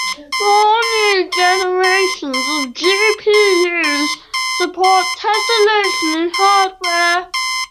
All new generations of GPUs support tesselation in hardware.